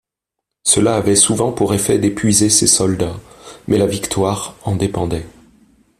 Cela avait souvent pour effet d'épuiser ses soldats, mais la victoire en dépendait.